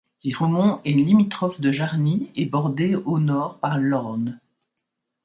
Giraumont est limitrophe de Jarny et bordée au nord par l'Orne.